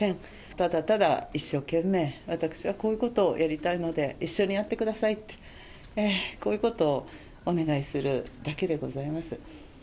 ただただ一生懸命、私はこういうことをやりたいので、一緒にやってくださいって、こういうことをお願いするだけでございます。